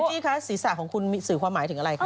อาทิตย์คะสีสระของคุณสืบความหมายถึงอะไร